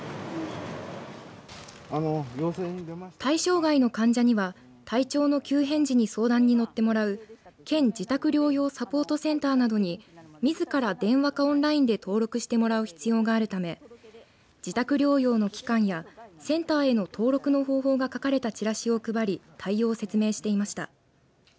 対象外の患者には体調の急変時に相談に乗ってもらう県自宅療養サポートセンターなどに、みずから電話かオンラインで登録してもらう必要があるため自宅療養の期間やセンターへの登録の方法が書かれたチラシを配り対応を説明していました。